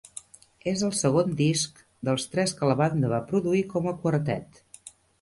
És el segon disc dels tres que la banda va produir com a quartet.